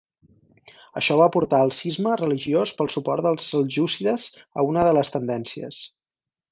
Això va portar al cisma religiós pel suport dels seljúcides a una de les tendències.